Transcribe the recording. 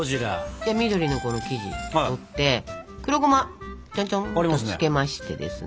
じゃあ緑のこの生地取って黒ゴマちょんちょんとつけましてですね。